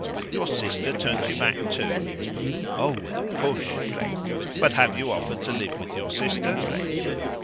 "Your sister turns you back too?" "Oh with a push!" "But have you offered to live with your sister?"